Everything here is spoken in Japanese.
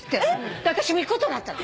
私行くことになったの。